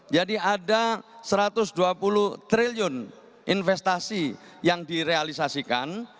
jadi ada satu ratus dua puluh triliun investasi yang direalisasikan